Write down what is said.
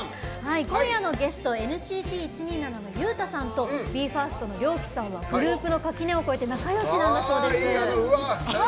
今夜のゲストＮＣＴ１２７のユウタさんとＢＥ：ＦＩＲＳＴのＲＹＯＫＩさんはグループの垣根を越えて仲よしなんだそうです。